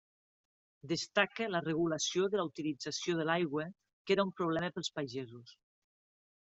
Destaca la regulació de la utilització de l'aigua que era un problema pels pagesos.